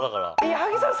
矢作さん